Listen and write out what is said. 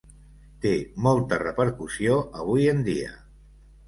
Té molta repercussió avui en dia.